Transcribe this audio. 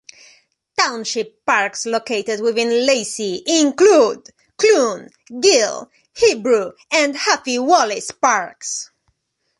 Township parks located within Lacey, include Clune, Gille, Hebrew and Huffy Wallis parks.